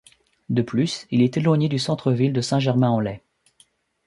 De plus, il est éloigné du centre-ville de Saint-Germain-en-Laye.